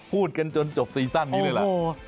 พูดกันจนจบซีซั่นนี้เลยล่ะ